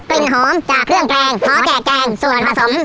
กลิ่นหอมจากเครื่องแกงหอแจกแจงส่วนผสม